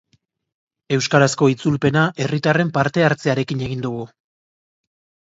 Euskarazko itzulpena herritarren parte-hartzearekin egin dugu.